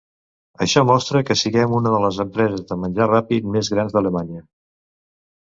Això mostra que siguem una de les empreses de menjar ràpid més grans d'Alemanya.